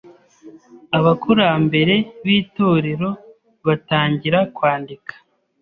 Abakurambere b’itorero batangira kwandika